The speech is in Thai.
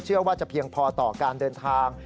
เชื่อว่าจะเพียงพอต่อการเดินทาง